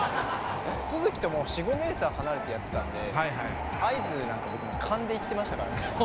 都築ともう４５ｍ離れてやってたんで合図なんか僕もう勘でいってましたからね。